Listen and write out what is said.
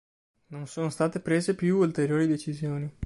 Non sono state prese più ulteriori decisioni.